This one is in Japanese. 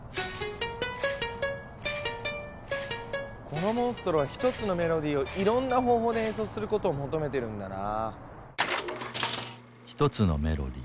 このモンストロは１つのメロディーをいろんな方法で演奏することを求めてるんだな。